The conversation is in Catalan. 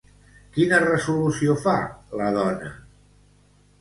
Quina resolució fa, la dona?